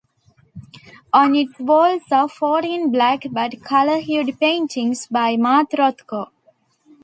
On its walls are fourteen black but color hued paintings by Mark Rothko.